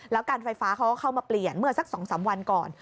แล้วการไฟฟ้าเขาก็เข้ามาเปลี่ยนเมื่อสัก๒๓วันก่อน